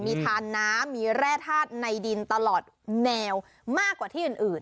มีทานน้ำมีแร่ธาตุในดินตลอดแนวมากกว่าที่อื่น